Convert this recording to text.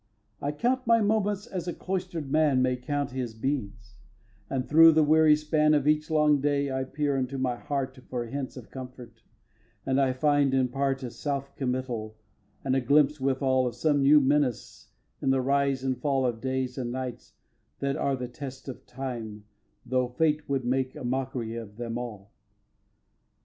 xix. I count my moments as a cloister'd man May count his beads; and through the weary span Of each long day I peer into my heart For hints of comfort; and I find, in part, A self committal, and a glimpse withal Of some new menace in the rise and fall Of days and nights that are the test of Time Though Fate would make a mockery of them all.